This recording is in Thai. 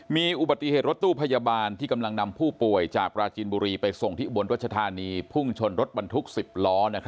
มีอุบัติเหตุรถตู้พยาบาลที่กำลังนำผู้ป่วยจากปราจีนบุรีไปส่งที่อุบลรัชธานีพุ่งชนรถบรรทุก๑๐ล้อ